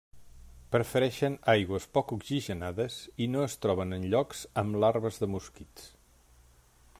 Prefereixen aigües poc oxigenades i no es troben en llocs amb larves de mosquits.